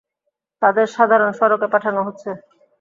তাদের সাধারণ সড়কে পাঠানো হচ্ছে।